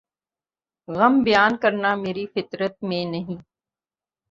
غم بیان کرنا میری فطرت میں نہیں